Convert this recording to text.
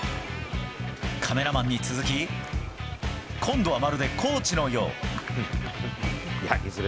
カメラマンに続き、今度はまるでコーチのよう。